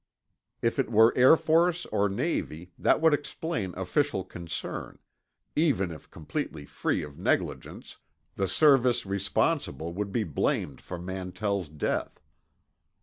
If it were Air Force or Navy, that would explain official concern; even if completely free of negligence, the service responsible would be blamed for Mantell's death.